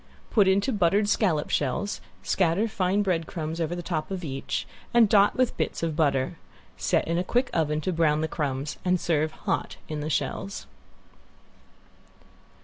Put into buttered scallop shells, scatter fine bread crumbs over the top of each, and dot with bits of butter. Set in a quick oven to brown the crumbs, and serve hot in the shells.